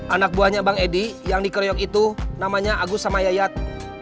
anak buahnya bang edi yang dikeroyok itu namanya agus sama yayat